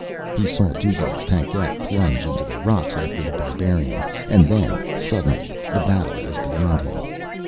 He saw Dugald's tankette plunge into the rocks after The Barbarian, and then, suddenly, the battle was beyond him.